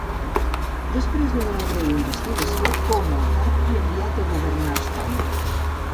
Després d'una breu investigació, fou multat i enviat a governar Estònia.